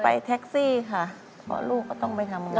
แท็กซี่ค่ะเพราะลูกก็ต้องไปทำงาน